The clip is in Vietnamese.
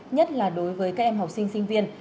nhất là đối với các em học sinh sinh viên